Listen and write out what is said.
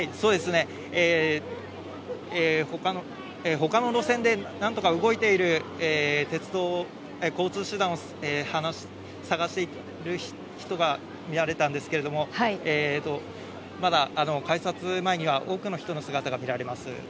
他の路線で何とか動いている鉄道交通手段を探している人が見られたんですがまだ、改札前には多くの人の姿が見られます。